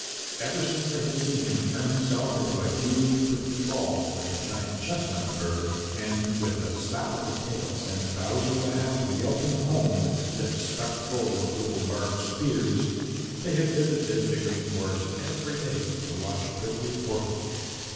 Ever since they had seen him turn himself into a huge prickly ball, like a giant chestnut burr, and with a slap of his tail send Bowser the Hound yelping home with his lips stuck full of little barbed spears, they had visited the Green Forest every day to watch Prickly Porky.